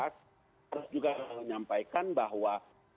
harus juga menyampaikan bahwa